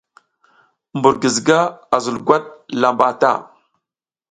Mbur giziga a zul gwat lamba ta.